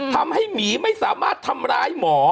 ทำให้หมีไม่สามารถทำร้ายหมอ